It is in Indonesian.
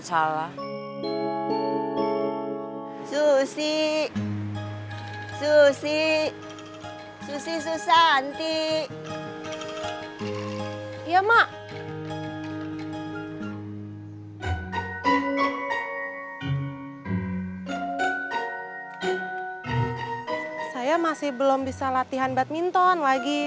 saya masih belum bisa latihan badminton lagi